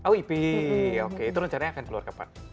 oh ep oke itu rencana yang akan keluar kapan